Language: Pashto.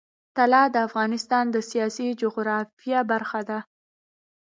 طلا د افغانستان د سیاسي جغرافیه برخه ده.